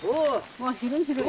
うわっ広い広い。